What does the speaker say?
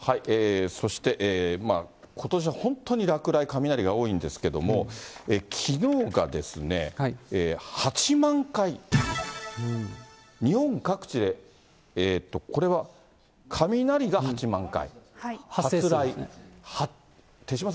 そして、ことし、本当に落雷、雷が多いんですけれども、きのうが８万回、日本各地でこれは雷が８万回。